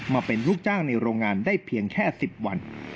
มาเป็นลูกจ้างในโรงงานได้เพียงแค่๑๐วัน